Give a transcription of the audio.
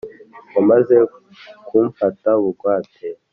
wamaze kumfata bugwate